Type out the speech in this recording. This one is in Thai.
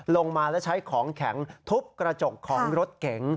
ลงมาแล้วใช้ของแข็งทุบกระจกของรถเก๋ง